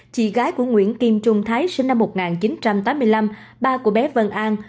chị gái của nguyễn kim trung thái sinh năm một nghìn chín trăm tám mươi năm ba của bé vân an